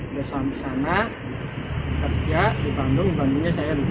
udah sampai sana kerja di bandung bandungnya saya lupa